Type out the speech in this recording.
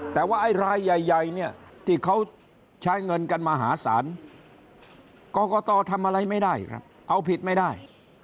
แต่ว่าไอ้รายใหญ่เนี่ยที่เขาใช้เงินกันมหาศาลกรกตทำอะไรไม่ได้ครับเอาผิดไม่ได้